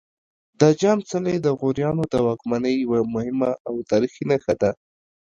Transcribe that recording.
د جام څلی د غوریانو د واکمنۍ یوه مهمه او تاریخي نښه ده